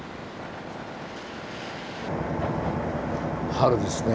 春ですね